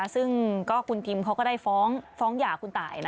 ซึ่งคุณทิมเขาก็ได้ฟ้องหย่าคุณตาย